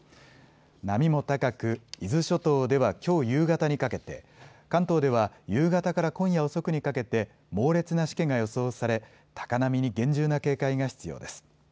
波も高く、伊豆諸島ではきょう夕方にかけて、関東では夕方から今夜遅くにかけて猛烈なしけが予想され高波に厳重な警戒が必要です。